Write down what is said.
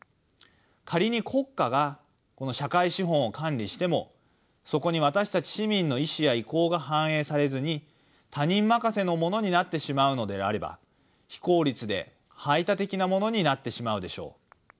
仮に国家がこの社会資本を管理してもそこに私たち市民の意志や意向が反映されずに他人任せのものになってしまうのであれば非効率で排他的なものになってしまうでしょう。